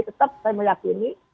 tetap saya meyakini